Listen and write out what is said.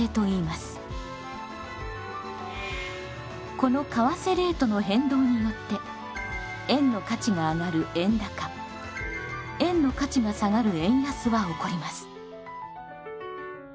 この為替レートの変動によって円の価値が上がる円高円の価値が下がる円安は起こります。